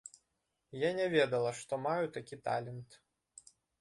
Я не ведала, што маю такі талент.